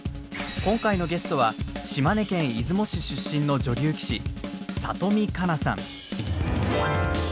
今回のゲストは島根県出雲市出身の女流棋士里見香奈さん。